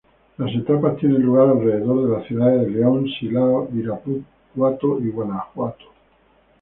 Las etapas tienen lugar alrededor de las ciudades de León, Silao, Irapuato y Guanajuato.